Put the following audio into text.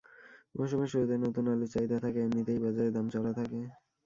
মৌসুমের শুরুতে নতুন আলুর চাহিদা থাকায় এমনিতেই বাজারে দাম চড়া থাকে।